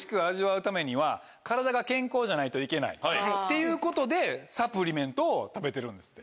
じゃないといけないっていうことでサプリメントを食べてるんですって。